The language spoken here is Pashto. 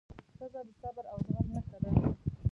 ښځه د صبر او زغم نښه ده.